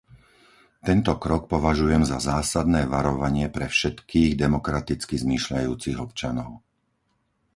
Tento krok považujem za zásadné varovanie pre všetkých demokraticky zmýšľajúcich občanov.